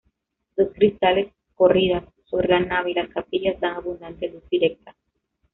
Dos cristaleras, corridas, sobre la nave y las capillas dan abundante luz directa.